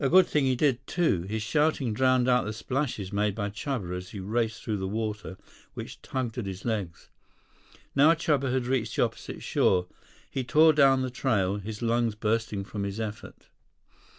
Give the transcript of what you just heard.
A good thing he did, too. His shouting drowned out the splashes made by Chuba as he raced through the water which tugged at his legs. Now Chuba had reached the opposite shore. He tore down the trail, his lungs bursting from his effort.